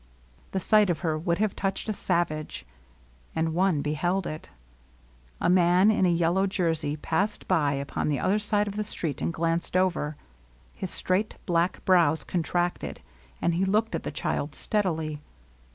The sight of her would have touched a savage; and one be held it. A man in a yellow jersey passed by upon the other side of the street, and glanced over. His straight, black brows contracted, and he looked at the child steadily.